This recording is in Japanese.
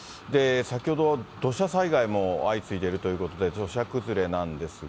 先ほど、土砂災害も相次いでいるということで、土砂崩れなんですが。